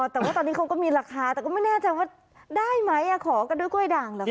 แต่ว่าตอนนี้เขาก็มีราคาแต่ก็ไม่แน่ใจว่าได้ไหมขอกันด้วยกล้วยด่างเหรอคะ